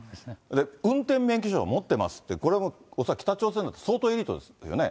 運転免許証を持ってますって、これも恐らく北朝鮮の相当エリートですよね。